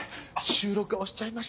収録押しちゃいました。